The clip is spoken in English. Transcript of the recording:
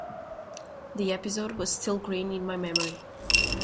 The episode was still green in my memory.